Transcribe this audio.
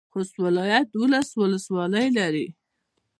خوست ولایت دولس ولسوالۍ لري.